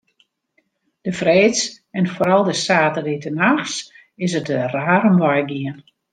De freeds en foaral de saterdeitenachts is it der raar om wei gien.